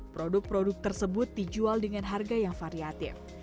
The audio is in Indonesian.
produk produk tersebut dijual dengan harga yang variatif